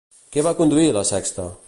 Què va conduir La Sexta?